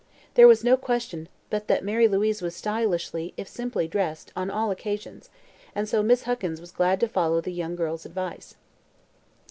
There was no question but that Mary Louise was stylishly, if simply, dressed on all occasions, and so Miss Huckins was glad to follow the young girl's advice.